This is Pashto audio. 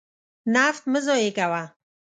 نفت مه ضایع کوه.